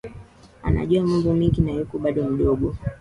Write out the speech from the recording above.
Anajua mambo mengi na yuko bado mdogo